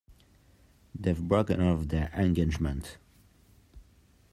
They've broken off their engagement.